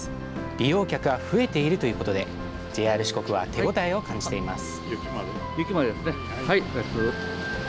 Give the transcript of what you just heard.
利用客は増えているということで、ＪＲ四国は手応えを感じています。